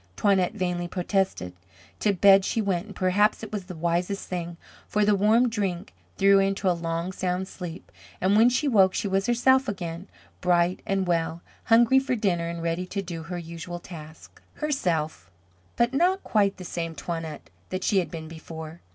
Toinette vainly protested; to bed she went and perhaps it was the wisest thing, for the warm drink threw her into a long sound sleep and when she woke she was herself again, bright and well, hungry for dinner, and ready to do her usual tasks. Herself but not quite the same Toinette that she had been before.